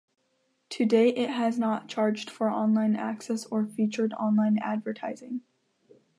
To date it has not charged for online access or featured online advertising.